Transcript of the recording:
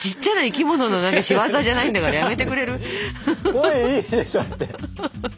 これいいでしょだって！